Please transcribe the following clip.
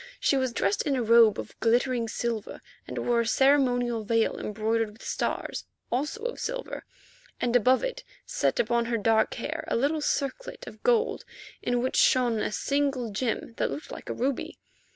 She was dressed in a robe of glittering silver, and wore a ceremonial veil embroidered with stars, also of silver, and above it, set upon her dark hair, a little circlet of gold, in which shone a single gem that looked like a ruby.